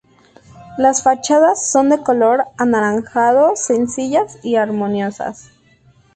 Las fachadas son de color anaranjado, sencillas y armoniosas.